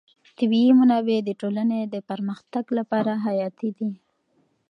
طبیعي منابع د ټولنې د پرمختګ لپاره حیاتي دي.